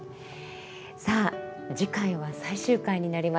さあ次回は最終回になります。